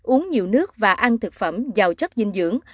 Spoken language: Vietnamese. uống nhiều nước và ăn thực phẩm giàu chất dinh dưỡng